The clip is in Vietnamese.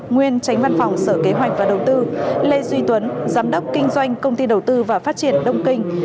nguyên tránh văn phòng sở kế hoạch và đầu tư lê duy tuấn giám đốc kinh doanh công ty đầu tư và phát triển đông kinh